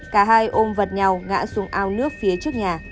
cả hai ôm vật nhau ngã xuống ao nước phía trước nhà